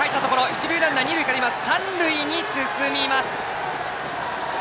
一塁ランナー、三塁に進みます。